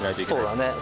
そうだね。